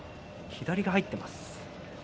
左が入っています。